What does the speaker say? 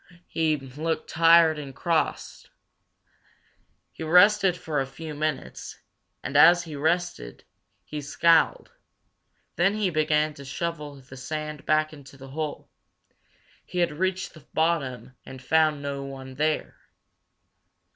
He looked tired and cross. He rested for a few minutes, and as he rested, he scowled. Then he began to shovel the sand back into the hole. He had reached the bottom and found no one there.